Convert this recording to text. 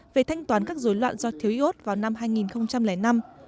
về thanh toán các dối loạn do thiếu iốt vào năm hai nghìn năm